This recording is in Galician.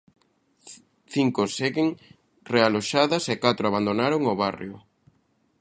Cinco seguen realoxadas e catro abandonaron o barrio.